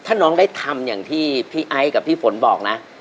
ถ้าน้องได้ทำอย่างที่พี่ไอซ์กับพี่ฝนบอกนะ